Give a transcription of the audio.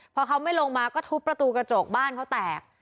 พอเขาไม่ลงมาก็ทุบประตูกระจกบ้านเขาแตก